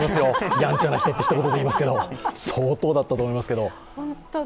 やんちゃな人ってひと言で言いますけど相当だったと思いますけど。